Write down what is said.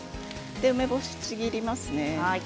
梅干し、ちぎりますね。